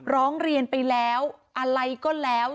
ร้องเรียนไปแล้วอะไรก็แล้ว